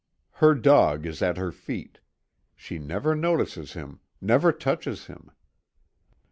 Her dog is at her feet. She never notices him, never touches him.